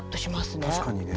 確かにね。